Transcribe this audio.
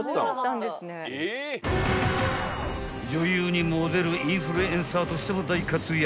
［女優にモデルインフルエンサーとしても大活躍］